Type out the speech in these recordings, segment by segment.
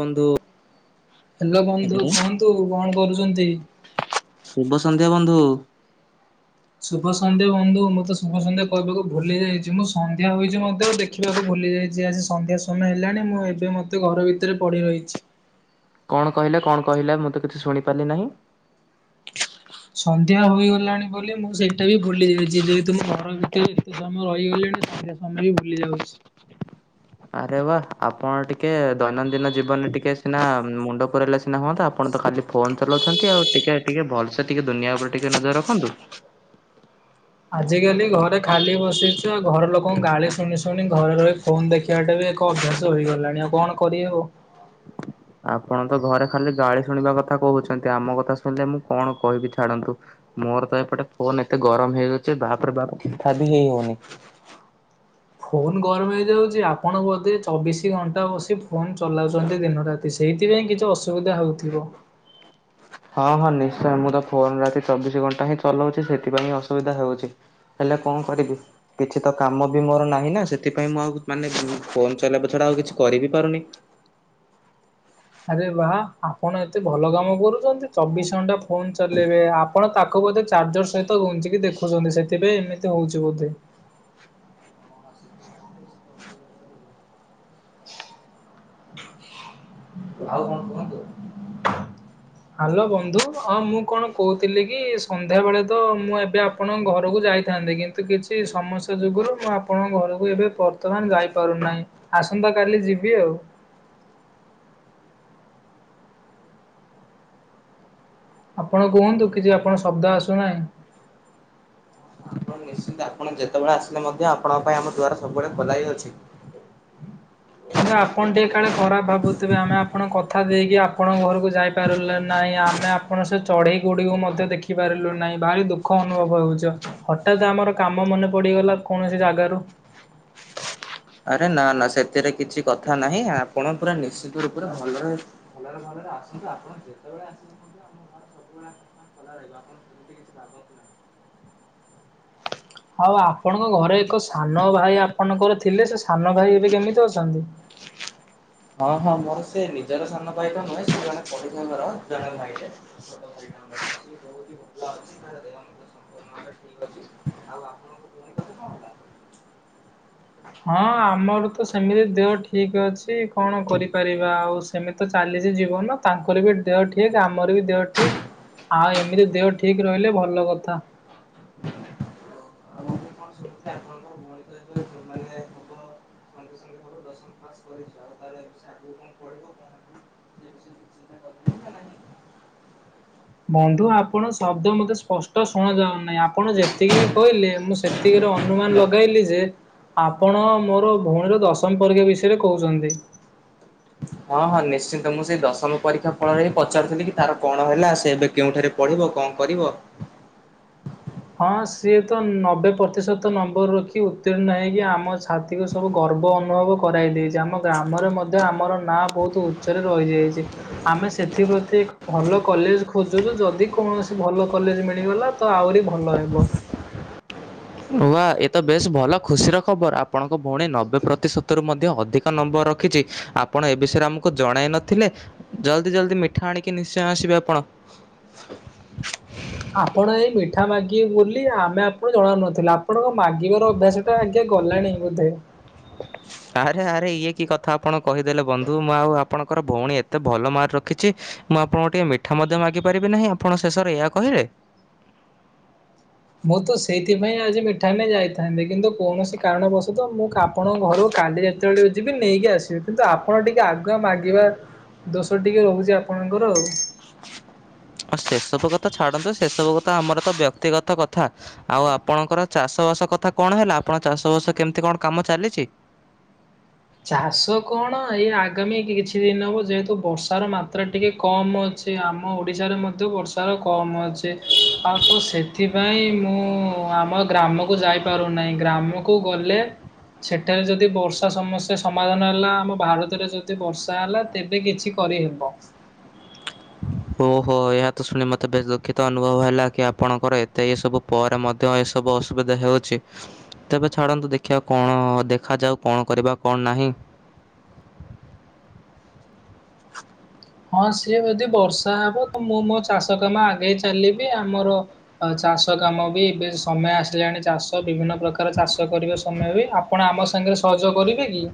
ବନ୍ଧୁ। ହେଲୋ ବନ୍ଧୁ ହ୍ୟାଲୋ କୁହନ୍ତୁ କଣ କରୁଛନ୍ତି। ଶୁଭସନ୍ଧ୍ୟା ବନ୍ଧୁ। ଶୁଭସନ୍ଧ୍ୟା ବନ୍ଧୁ ମୁଁ ତ ଶୁଭସନ୍ଧ୍ୟା କହିବାକୁ ଭୁଲି ଯାଇଛି ମୁଁ ସନ୍ଧ୍ୟା ହୋଇଛି ମଧ୍ୟ ଦେଖି। ଦେଖିବାକୁ ଭୁଲି ଯାଇଛି ଆସି ସନ୍ଧ୍ୟା ସମୟ ହେଲାଣି ମୁଁ ଏବେ ମଧ୍ୟ ଘର ଭିତରେ ପଡ଼ିି ରହିଛି। କଣ କହିଲେ କଣ କହିଲେ ମୁଁ ତ କିଛି ଶୁଣିପାରିଲି ନାହିଁ। ସନ୍ଧ୍ୟା ହୋଇଗଲାଣି ବୋଲି ମୁଁ ସେଇଟା ବି ଭୁଲି ଯାଇଚି ଯେହେତୁ ମୁଁ ଘର ଭିତେରେ। ଏତେ ସମୟ ରହିଗଲିଣି ସନ୍ଧ୍ୟା ସମୟ ବି ଭୁଲି ଯାଉଛି। ଆରେ ବା ଆପଣ ଟିକେ ଦୈନନ୍ଦିନ ଜୀବନରେ ଟିକେ ସିନା ମୁଣ୍ଡ ପୁରେଇଲେ ସିନା ହୁଅନ୍ତା ଆପଣ ତ ଖାଲି ଫୋନ୍ ଚଲାଉଛନ୍ତି ଆଉ ଟିକେ ଟିକେ ଭଲ୍ସେ ଟିକେ ଦୁନିଆ ଉପରେ ଟିକେ ନଜର ରଖନ୍ତୁ। ଆଜିକାଲି ଘରେ ଖାଲି ବସିଚ। ଘର ଲୋକଙ୍କ ଗାଳି ଶୁଣି ଶୁଣି ଘରେ ରହି ଫୋନ୍ ଦେଖିବା ଟା ବି ଏକ ଅଭ୍ୟାସ ହେଇଗଲାଣି ଆଉ କଣ କରିହବ। [inaudible] ଆପଣ ତ ଘରେ ଖାଲି ଗାଳି ଶୁଣିବା କଥା କହୁଛନ୍ତି ଆମ କଥା ଶୁଣିଲେ ମୁଁ କଣ କହିବି ଛାଡନ୍ତୁ। ମୋର ତ ଏପଟେ ଫୋନ୍ ଏତେ ଗରମ ହେଇଯାଉଛି ବାପ୍ରେ ବାପ୍ କଥା ବି ହେଇ ହଉନି। ଫୋନ୍ ଗରମ ହେଇଯାଉଚି ଆପଣ ବୋଧେ ଚବିଶି ଘଣ୍ଟା ବସି ଫୋନ୍ ଚଲାଉଛନ୍ତି ଦିନ ରା ତି ସେଇଥିପାଇଁ କିଛି ଅସୁବିଧା ହଉଥିବ। ହଁ ହଁ ନିଶ୍ଚୟ ମୁଁ ତ ଫୋନ୍ ରାତି ଚବିଶି ଘଣ୍ଟା ହିଁ ଚଲଉଛି ସେଥିପାଇଁ ଅସୁବିଧା ହଉଛି। ହେଲେ କଣ କରିବି। କିଛି ତ କାମ ବି ମୋର ନାହିଁ ନା ସେଥିପାଇଁ ମୁଁ ଆଉ ମାନେ ଫୋନ୍ ଚଲେଇବା ଛଡା ଆଉ କିଛି କରିିବି ପାରୁନି। ଆରେ ବା ଆପଣ ଏତେ ଭଲ କାମ କରୁଚନ୍ତି ଚବିଶ ଘଣ୍ଟା ଫୋନ୍ ଚଲେଇବେ ଆପଣ ତା କୁ ବୋଧେ ଚାର୍ଜର ସହିତ ଘୁଞ୍ଚିକି ଦେଖୁଛନ୍ତି ସେଥିପାଇଁ ଏମିତି ହଉଛି ବୋଧେ। [inaudible] ଆଉ କଣ କୁହନ୍ତୁ? ହାଲୋ ବନ୍ଧୁ ହଁ ମୁଁ କଣ କହୁଥିଲି କି ସନ୍ଧ୍ୟା ବଳେ ତ ମୁଁ ଏବେ ଆପଣଙ୍କ ଘରକୁ ଯାଇଥାନ୍ତି କି ଛି କିଛି ସମସ୍ୟା ଯୋଗୁରୁ ମୁଁ ଆପଣଙ୍କ ଘରୁକୁ ଏବେ ବର୍ତ୍ତମାନ ଯାଇପାରୁନାହିଁ। ଆସନ୍ତା କାଲି ଯିବି ଆଉ। ଆପଣ କୁହନ୍ତୁ କିଛି ଆପଣ ଶବ୍ଦ ଆସୁନାହିଁ। ଆପଣ ନିଶ୍ଚିନ୍ତ ଆପଣ ଯେତବଳେ ଆସିଲେ ମଧ୍ୟ ଆପଣଙ୍କ ପାଇଁ ଆମ ଦୂଆର ସବୁବଳେ ଖୋଲା ହେଇଅଛି। ଯେ ଆପଣ ଟିକେ କାଳେ ଖରାପ୍ ଭାବୁଥିବେ ଆମେ ଆପଣ କଥା ଦେଇକି ଆପଣଙ୍କ ଘରକୁ ଯାଇପାରୁଲୁ ନାହିଁ ଆମେ ଆ ପଣ ସେ ଚଢ଼େଇ ଗୁଡିକୁ ମଧ୍ୟ ଦେଖିପାରିଲୁ ନାହିଁ ଭାରି ଦୁଃଖ ଅନୁଭବ ହେଉଛ ହ ଠାତ୍ ଆମର କାମ ମନେ ପଡିଗଲା କୌଣସି ଜାଗାରୁ। ଆରେ ନା ନା ସେଥିରେ କିଛି କଥା ନାହିଁ ଆ ଆପଣ ପୁରା ନିଶ୍ଚିତ ରୂପରେ ଭଲରେ ଭଲରେ ଭଲରେ ଭାବରେ ଆସନ୍ତୁ ଆପଣ ଯେତବେଳେ ଆସିବେ। [inaudible] [inaudible] ଆଉ ଆପଣଙ୍କ ଘରେ ଏକ ସାନ ଭାଇ ଆପଣଙ୍କର ଥିଲେ ସେ ସାନ ଭାଇ ଏବେ କେମିତି ଅଛନ୍ତି? ହଁ ହଁ ମୋର ସେ ନିଜର ସାନ ଭାଇ ତ ନୁହେଁ ସେ ଜଣେ ପଡିଷା ଘର ଜଣେ ଭାଇଟେ ଛୋଟ ଭାଇ। [inaudible] ଠିକ୍ ଅଛି ଆଉ ଆ ହଁ ଆମର ତ ସେମିତି ଦେହ ଠିକ୍ ଅଛି କଣ କରିପାରିବା ଆଉ ସେମିତି ତ ଚାଲିଚି ଜୀବନ ତାଙ୍କର ବି ଦେହ ଠିକ୍ ଆମର ବି ଦେହ ଠିକ୍। ଆ ଏମିତି ଦେହ ଠିକ୍ ରହିଲେ ଭଲ କଥା। ଆଉ ମୁଁ କଣ ଶୁଣିଥିଲି ଆପଣଙ୍କ ଭଉଣୀ ଏବେ [unintelligible] ମାନେ। ହବ [inaudible] [unintelligible] ଦଶମ ପାସ୍ କରିଛ ଆଉ ତାହେଲେ ସେ ଅଗୁକୁ କଣ ପଢିବ କଣ ନାହିଁ। ତୁ ଏ ବିଷୟରେ କିଛି ଚିନ୍ତା କରିଚୁ ନା ନାହିଁ? ବନ୍ଧୁ ଆପଣ ଶବ୍ଦ ମୋତେ ସ୍ପଷ୍ଟ ଶୁଣାଯାଉନାହିଁ ଆପଣ ଯେତିକି ବି କହିଲେ ମୁଁ ସେ ତିିକି ରେ ଅନୁମାନ୍ ଲଗାଇଲି ଯେ। ଆପଣ ମୋର ଭଉଣୀର ଦଶମ ପରିକ୍ଷା ବିଷୟରେ କହୁଛନ୍ତି। ହଁ ହଁ ନିଶ୍ଚିନ୍ତ ମୁଁ ସେଇ ଦଶମ ପରୀକ୍ଷା ଫଳରେ ହିଁ ପଚାରୁଥିଲି କି ତାର କଣ ହେଲା ସେ ଏବେ କେଉଁଠାରେ। ପଢ଼ିବ କଣ କରିବ। ହଁ ସିଏ ତ ନବେ ପ୍ରତିଶତ ନମ୍ବର ରଖି ଉତ୍ତୀର୍ଣ ହେଇକି ଆମ ଛାତ୍ ଏତିକ ସବୁ ଗର୍ବ ଅନୁଭବ କରାଇ ଦେଇଛି, ଆମ ଗ୍ରାମରେ ମଧ୍ୟ ଆମର ନାଁ ବହୁତ ଉଚ୍ଚରେ ରହିଯାଇଛି। ଆମେ ସେଥିପ୍ରତି ଏ ଭଲ କଲେଜ ଖୋଜୁଛୁ, ଯଦି କୌଣସି ଭଲ କଲେଜ ମିଳିଗଲା ତ ଆହୁରି ଭ ଭଲ ହେବ। ଓହା ଏତ ବେଶ୍ ଭଲ ଖୁସିର ଖବର, ଆପଣଙ୍କ ଭଉଣୀ ନବେ ପ୍ରତିଶତରୁ ମଧ୍ ଧ୍ୟ ଅଧିକ ନମ୍ବର ରଖିଛି, ଆପଣ ଏ ବିଷୟରେ ଆମକୁ ଜଣାଇ ନଥିଲେ? ଜଲ୍ଦି ଜଲ୍ଦି ମିଠା ଆଣିକି ନିଶ୍ଚୟ ଆସିବେ ଆପଣ। ଆପଣ ଏଇ ମିଠା ମାଗିବେ ବୋଲି ଆମେ ଆପଣଙ୍କୁ ଜଣଉ ନଥିଲୁ, ଆପଣଙ୍କ ମାଗିବାର ଅଭ୍ୟାସ ଟା ଆଜ୍ଞା ଗଲାଣି ବୋଧେ? ଆରେ ଆରେ ଇଏ କି କଥା ଆପଣ କହିଦେଲେ ବନ୍ଧୁ, ମୁଁ ଆଉ ଆପଣଙ୍କର ଭଉଣୀ ଏତେ ଭଲ ମାର୍କ ରଖିଛି। ମୁଁ ଆପଣଙ୍କୁ ଟିକେ ମିଠା ମଧ୍ୟ ମାଗିପାରିବି ନାହିଁ, ଆପଣ ଶେଷରେ ଏହା କହିଲେ? ମୁଁ ତ ସେଇଥିପାଇଁ ଆଜି ମିଠା ନେଇ ଯାଇଥାନ୍ତି, କିନ୍ତୁ କୌଣସି କାରଣବଶତଃ ମୁଁ କାମ୍ ଆପଣଙ୍କ ଘରୁ କାଲି ଯେତେବେଳେ ଯିବି ନେଇକି ଆସିବି, କିନ୍ତୁ ଆପଣ ଟିକେ ଆଗୁଆ ମାଗିବା। ଦୋଷ ଟିକେ ରହୁଛି ଆପଣଙ୍କର ଆଉ। ଓଃ ସେସବୁ କଥା ଛାଡ଼ନ୍ତୁ, ସେସବୁ କଥା ଆମର ତ ବ୍ୟକ୍ତିଗତ କଥା। ଆଉ ଆପଣଙ୍କର ଚାଷବାସ କଥା କଣ ହେଲା, ଆପଣଙ୍କ ଚାଷବାସ କେମିତି କଣ କାମ ଚାଲିଛି? ଚାଷ କଣ ଏଇ ଆଗାମୀ କିଛି ଦିନ ହବ ଯେହେତୁ ବର୍ଷାର ମାତ୍ରା ଟିକେ କମ ଅଛି। ଯେ ଆମ ଓଡ଼ିଶାରେ ମଧ୍ୟ ବର୍ଷାର କମ୍ ଅଛି, ଆଉ ତ ସେଥିପାଇଁ ମୁଁ ଆମ ଗ୍ରାମକୁ ଯାଇ ପାରୁନାହିଁ, ଗ୍ରାମକୁ ଗଲେ ସେଠାରେ ଯଦି ବର୍ଷା ସମସ୍ ଯେ ସମାଧାନ ହେଲା ଆମ ଭାରତରେ ଯଦି ବର୍ଷା ହେଲା ତେବେ କିଛି କରିହେବ। ଓହୋ ଏହା ତ ଶୁଣି ମୋତେ ବେଶ୍ ଦୁଃଖିତ ଅନୁଭବ ହେଲା କି ଆପଣଙ୍କର ଏତେ ଏସବୁ ପରେ ମଧ୍ ତ୍ୟ ଏସବୁ ଅସୁବିଧା ହେଉଛି। ତେବେ ଛାଡନ୍ତୁ ଦେଖିଆ କଣ ଦେଖାଯାଉ କଣ କରିବା କଣ ନାହିଁ। ହଁ ସିଏ ଯଦି ବର୍ଷା ହବ ତ ମୁଁ ମୋ ଚାଷ କାମ ଆଗେଇ ଚାଲିବି ଆମର ତ ଚାଷ କାମ ବି ଏବେ ସମୟ ଆସିଲାଣି ଚାଷ ବିଭିନ୍ନ ପ୍ରକାର ଚାଷ କରିବା ସମୟ ବି ଆ ଆପଣ ଆମ ସାଙ୍ଗରେ ସହଯୋଗ କରିବେ କି?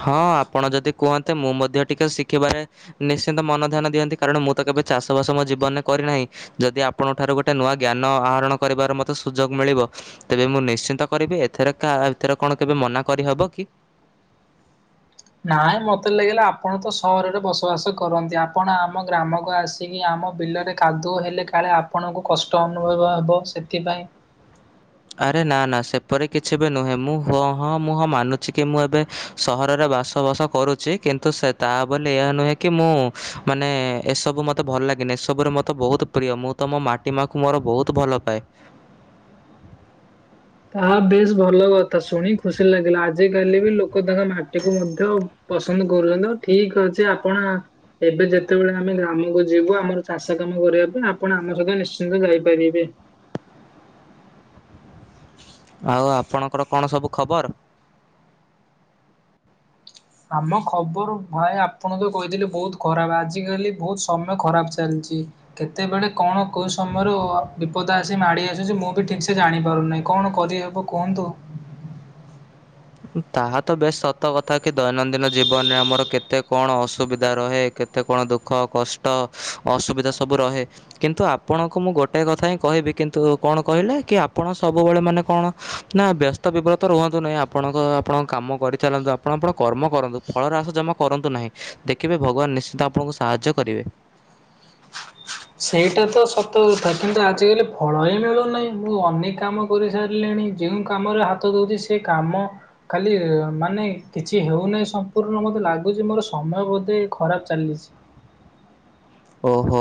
ହଁ ଆପଣ ଯଦି କୁହନ୍ତେ, ମୁଁ ମଧ୍ୟ ଟିକେ ଶିଖିବାରେ ନିଶ୍ଚିନ୍ତ ମନ ଧ୍ୟାନ ଦିଅନ୍ତି କାରଣ ମୁଁ ତ କେବେ ଚାଷବାସ ମୋ ଜୀବନରେ କରିନାହିଁ। ଯଦି ଆପଣଙ୍କ ଠାରୁ ଗୋଟେ ନୂଆ ଜ୍ଞାନ ଆହରଣ କରିବାର ମତେ ସୁଯୋଗ ମିଳିବ ତେବେ ମୁଁ ନିଶ୍ଚିନ୍ତ କରିବି, ଏଥର ଏଥର କଣ କେବେ ମନା କରିହବ କି? ନାଇଁ ମତେ ଲାଗିଲା ଆପଣ ତ ସହରରେ ବସବାସ କରନ୍ତି, ଆପଣ ଆମ ଗ୍ରାମକୁ ଆସି କିି ଆମ ବିଲରେ କାଦୁଅ ହେଲେ, କାଳେ ଆପଣଙ୍କୁ କଷ୍ଟ ଅନୁଭବ ହେବ ସେଥିପାଇଁ। ଆରେ ନା ନା ସେପରି କିଛି ବି ନୁହେଁ, ମୁଁ ହ ହଁ ମୁଁ ହଁ ମାନୁଛି କି ମୁଁ ଏବେ ସହରରେ ବାସବାସ କରୁଛି, କିନ୍ତୁ ସେ ତା ବୋଲି ଏହା ନୁହେଁ କି ମୁଁ ମାନେ ଏସବୁ ମତେ ମତେ ଭଲ ଲାଗେନି, ଏସବୁ ମୋତେ ବହୁତ ପ୍ରିୟ ମୁଁ ତ ମୋ ମାଟି ମା କୁ ମୋର ବହୁତ ଭଲ ପାଏ। ତାହା ବେଶ ଭଲ କଥା, ଶୁଣି କି ଖୁସି ଲାଗିଲା, ଆଜି କାଲି ବି ଲୋକ ତାଙ୍କ ମାଟି କୁ ମଧ୍ୟ ପସନ୍ଦ କରୁଛନ୍ତି, ହଉ ଠିକ ଅଛି ଆପଣ ଏବେ ଯେତେବେଳେ ଆମେ ଗ୍ରାମକୁ ଯିବୁ ଆମର ଚାଷ କାମ କରିବା ପାଇଁ ଆପଣ ଆମ ସହିତ ନିଶ୍ଚିନ୍ତ ଯାଇପାରିବେ। ଆଉ ଆପଣଙ୍କର କଣ ସବୁ ଖବର? ଆମ ଖବର ଭାଇ ଆପଣ ତ କହିଥିଲେ ବହୁତ ଖରାପ ଆଜିକାଲି ବହୁତ ସମୟ ଖରାପ ଚାଲିଛି। କେତେବେଳେ କଣ କୋଉ ସମୟରୁ ବିପଦ ଆସି ମାଡି ଆସୁଛି ମୁଁ ବି ଠିକ ସେ ଜାଣି ପାରୁନାହିଁ କଣ କରିହବ କୁହନ୍ତୁ। ତାହା ତ ବେଶ ସତ କଥା କି ଦୈନନ୍ଦିନ ଜୀବନରେ ଆମର କେତେ କଣ ଅସୁବିଧା ରହେ କେତେ କଣ ଦୁଃଖ କଷ୍ଟ ଅସୁବିଧା ସବୁ ରହେ। କିନ୍ତୁ ଆପଣଙ୍କୁ ମୁଁ ଗୋଟେ କଥା ହିଁ କହିବି କିନ୍ତୁ କଣ କହିଲେ କି ଆପଣ ସବୁବେଳେ ମାନେ କଣ ନା ବ୍ୟସ୍ତ ବିବ୍ରତ ରୁହନ୍ତୁ ନାଇଁ ଆ ଆପଣଙ୍କ ଆପଣଙ୍କ କାମ କରିଚାଲନ୍ତୁ ଆପଣ ଆପଣ କର୍ମ କରନ୍ତୁ ଫଳରସ ଜମା କରନ୍ତୁ ନାହିଁ। ଦେଖିବେ ଭଗବାନ ନିଶ୍ଚିନ୍ତ ଆପଣଙ୍କୁ ସାହାଯ୍ୟ କରିବେ। ସେଇଟା ତ ସତ କଥା କିନ୍ତୁ ଆଜିିକାଲି ଫଳ ହିଁ ମିଳୁନାହିଁ ମୁଁ ଅନେକ କାମ କରିସାରିଲେଣି ଯେଉଁ କାମରେ ହାତ ଦଉଛି ସେ କାମ ଖାଲି ମାନେ କିଛି ହେଉନାହିଁ ସମ୍ପୂର୍ଣ୍ଣ ମୋତେ ଲାଗୁଛି ମୋର ସମୟ ବୋଧେ ଖରାପ ଚାଲିଛି। ଓହୋ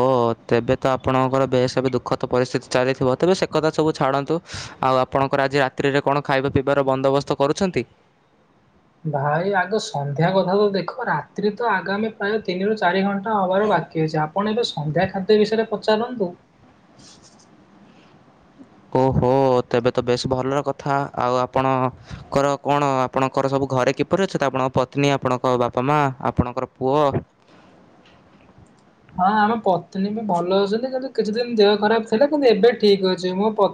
ତେବେ ତ ଆପଣଙ୍କର ବେସ୍ ଏବେ ଦୁଃଖଦ ପରିସ୍ଥିତି ଚାଲିଥିବ ତେବେ ସେ କଥା ସବୁ ଛାଡ଼ନ୍ତୁ। ଆଉ ଆପଣଙ୍କର ଆଜି ରାତିିରେ କଣ ଖାଇବା ପିଇବାର ବନ୍ଦୋବସ୍ତ କରୁଛନ୍ତି? ଭାଇ ଆଗ ସନ୍ଧ୍ୟା କଥା ତ ଦେଖ ରାତିି ତ ଆଗାମୀ ପ୍ରାୟ ତିନି ରରୁ ଚାରି ଘଣ୍ଟା ହବାର ବାକି ଅଛି ଆ ଆପଣ ଏବେ ସନ୍ଧ୍ୟା ଖାଦ୍ୟ ବିଷୟରେ ପଚାରନ୍ତୁ। ଓହୋ। ତ ତେବେ ତ ବେଶ ଭଲର କଥା ଆଉ ଆପଣଙ୍କର କଣ ଆପଣଙ୍କର ସବୁ ଘରେ କିପରି ଅଛନ୍ତି ତ ଆପଣଙ୍କ ପତ୍ନୀ ଆପଣଙ୍କ ବାପା ମା ଆପଣଙ୍କର ପୁଅ। ହଁ ଆମ ପତ୍ନୀ ବି ଭଲ ଅଛନ୍ତି କିନ୍ତୁ କିଛି ଦିନ ଦେହ ଖରାପ ଥିଲା କିନ୍ତୁ ଏବେ ଠିକ ଅଛି ମୋ ପ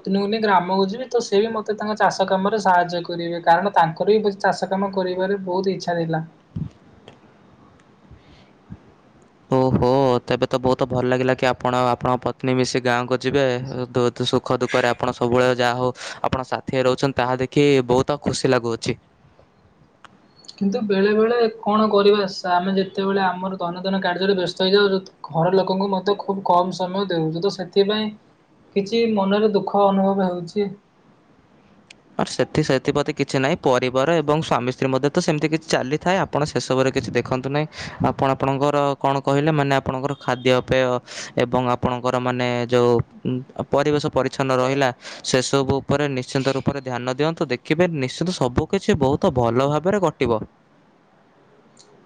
ଗ୍ରାମକୁ ଯିବି ତ ସେ ବି ମତେ ତାଙ୍କ ଚାଷ କାମରେ ସାହାଯ୍ୟ କରିବେ କାରଣ ତାଙ୍କର ବି ଚାଷ କାମ କରିବାରେ ବହୁତ ଇଚ୍ଛା ଥିଲା। ଓହୋ ତେବେ ତ ବହୁତ ଭଲ ଲାଗିଲା କି ଆପଣ ଆପଣଙ୍କ ପତ୍ନୀ ମିଶି ଗାଁକୁ ଯିବେ ସୁଖ ଦୁଃଖରେ ଆପଣ ସବୁବେଳେ ଯାହା ହଉ ଆପଣ ସାଥି ରହୁଛନ୍ତି ତାହା ଦେଖି ବହୁତ ଖୁସି ଲାଗୁଅଛି। କିନ୍ତୁ ବେଳେ ବେଳେ କଣ କରିବା ଆମେ ଯେତେବେଳେ ଆମର ଦୈନନ୍ଦିନନ କାର୍ଯ୍ୟରେ ବ୍ୟସ୍ତ ହେଇଯାଉଛୁ। ଘର ଲୋକଙ୍କୁ ମଧ୍ୟ ଖୁବ କମ ସମୟ ଦେଉଛି ତ ସେଥିପାଇଁ କିଛି ମନରେ ଦୁଃଖ ଅନୁଭବ ହେଉଛି। ଆ ସେଥି ସେଥିପ୍ରତି କିଛି ନାହିଁ ପରିବାର ଏବଂ ସ୍ୱାମୀ ସ୍ତ୍ରୀ ମଧ୍ୟ ତ ସେମିତି କିଛି ଚାଲିଥାଏ ଆଉ। ଆପଣ ସେସବୁରେ କିଛି ଦେଖନ୍ତୁ ନାହିଁ ଆପଣ ଆପଣଙ୍କର କଣ କହିଲେ ମାନେ ଆପଣଙ୍କର ଖାଦ୍ୟପେୟ ଏବଂ ଆପଣଙ୍କର ମାନେ ଯୋଉ ପରିବେଶ ପରିଚ୍ଛନ୍ନ ରହିଲା। ସେସବୁ ଉପରେ ନିଶ୍ଚିନ୍ତ ରୂ ପରେ ଧ୍ୟାନ ଦିଅନ୍ତୁ ଦେଖିବେ ନିଶ୍ଚନ୍ତ ସବୁ କିଛି ବହୁତ ଭଲ ଭାବରେ ଘଟିବ।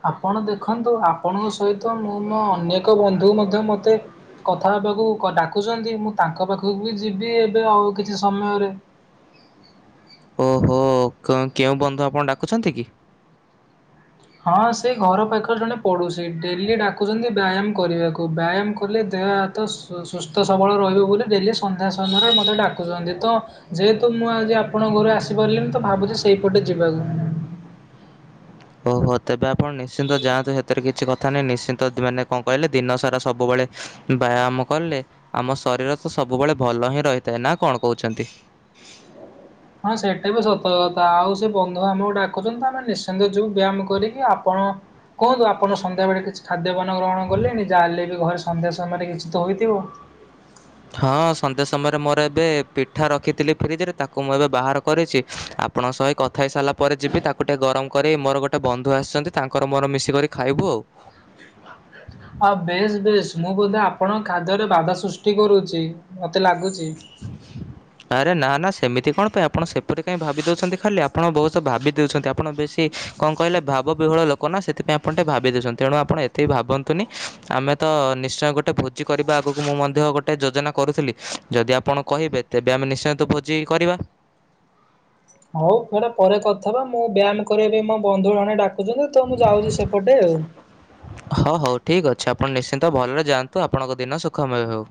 ଆପଣ ଦେଖନ୍ତୁ ଆପଣଙ୍କ ସହିତ ମୁଁ ମୋ ଅନେକ ବନ୍ଧୁ ମଧ୍ୟ ମତେ କଥା ହେବାକୁ ଡାକୁଛନ୍ତି ମୁଁ ତାଙ୍କ ପାଖକୁ ବି ଯିବି ଏବେ ଆଉ କିଛି ସମୟରେ। ଓହୋ କେ କେଉଁ ବନ୍ଧୁ ଆପଣ ଡାକୁଛନ୍ତି କି? ହଁ ସେ ଘର ପାଖରେ ଜଣେ ପଡ଼ୋଶୀ ଡେଲି ଡାକୁଛନ୍ତି ବ୍ୟାୟାମ କରିବାକୁ ବ୍ୟାୟାମ କଲେ ଦେହ ହାତ ସ ସୁ ସୁସ୍ଥ ସବଳ ରହିବ ବୋଲି ଡେଲି ସନ୍ଧ୍ୟା ସନ୍ଧ୍ୟାରେ ମୋତେ ଡାକୁଛନ୍ତି ତ ଯେହେତୁ ମୁଁ ଆଜି ଆପଣଙ୍କ ଘରୁ ଆସିପାରିଲିିନି ତ ଭାବୁଛି ସେଇପଟେ ଯିବାକୁ। ଓହୋ ତେବେ ଆପଣ ନିଶ୍ଚିନ୍ତ ଯାଆନ୍ତୁ ସେଥିରେ କିଛି କ ଥାନେ ନିଶ୍ଚିନ୍ତ ମାନେ କଣ କହିଲେ ଦିନ ସାରା ସବୁବେଳେ ବ୍ୟାୟାମ କଲେ ଆମ ଶରୀର ତ ସବୁବେଳେ ଭଲ ହିଁ ରହିଥାଏ ନା କଣ କହୁଛନ୍ତି। ହଁ ସେଇଟା ବି ସତର୍କତା ଆଉ ସେ ବନ୍ଧୁ ଆମକୁ ଡାକୁଛନ୍ତି ଆମେ ନିଶ୍ଚିନ୍ତ ଯିବୁ ବ୍ୟାୟାମ କରିକି ଆପଣ କୁହନ୍ତୁ ଆପଣ ସନ୍ଧ୍ୟାବେଳେ କିଛି ଖାଦ୍ୟପାନ ଗ୍ରହଣ କଲେଣିି ଯାହା ହେଲେ ବି ଘରେ ସନ୍ଧ୍ୟା ସମୟରେ କିଛି ତ ହୋଇଥିବ। ହଁ ସନ୍ଧ୍ୟା ସମୟରେ ମୋର ଏବେ ପିଠା ରଖିଥିଲି ଫ୍ରିଜରେ ତାକୁ ମୁଁ ଏବେ ବାହାର କରିଛି ଆପ୍ ଆପଣଙ୍କ ସହି କଥା ହେଇ ସାରିଲା ପରେ ଯିବି ତାକୁ ଟିକେ ଗରମ କରି ମୋର ଗୋଟେ ବନ୍ଧୁ ଆସିଛନ୍ତି ତାଙ୍କର ମୋର ମିଶିକରି ଖାଇବୁ ଆଉ। ଆ ବେଶ୍ ବେଶ୍ ମୁଁ ବୋଧେ ଆପଣଙ୍କ ଖାଦ୍ୟରେ ବାଧା ସୃଷ୍ଟି କରୁଛି। ମତେ ଲାଗୁଚି। ଆରେ ନା ନା ସେମିତି କଣ ପାଇଁ ଆପଣ ସେପଟେ କାହିଁ ଭାବି ଦେଉଛନ୍ତି ଖାଲି ଆପଣ ବହୁତ ଭାବି ଦେଉଛନ୍ତି ଆପଣ ବେଶୀ କଣ କହିଲେ ଭାବ ବିହଳ ଲୋକ ନା ସେଥିପାଇଁ ଆପଣ ଟିକେ ଭାବି ଦେଉଛନ୍ତି ତଣୁ ଆପଣ ଏତେବି ଭାବନ୍ତୁନି ଆମେ ତ ନିଶ୍ଚୟ ଗୋଟେ ଭୋଜି କରିବା ଆଗକୁ ମୁଁ ମଧ୍ୟ ଗୋଟେ ଯୋଜନା କରୁଥିଲି ଯଦି ଆପଣ କହିବେ ତେବେ ଆମେ ନିଶ୍ଚୟନ୍ତ ଭୋଜି କରିବା। ହଉ କୁଆଡେ ପରେ କଥା ହେବା ମୁଁ ବ୍ୟାୟାମ କରିବା ପାଇଁ ମୋ ବନ୍ଧୁ ଜଣେ ଡାକୁଛନ୍ତି ତ ମୁଁ ଯାଉଛି ସେପଟେ ଆଉ। ହଉ ହଉ ଠିକ୍ ଅଛି ଆପଣ ନିଶ୍ଚିନ୍ତ ଭଲରେ ଯାଆନ୍ତୁ ଆପଣଙ୍କ ଦିନ ସୁଖମୟ ହେଉ।